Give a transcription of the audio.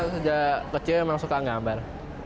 sejak kecil memang suka gambar